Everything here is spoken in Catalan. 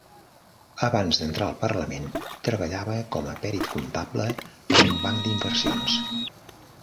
Abans d'entrar al Parlament, treballava com a pèrit comptable per a un banc d'inversions.